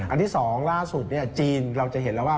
ที่๒ล่าสุดจีนเราจะเห็นแล้วว่า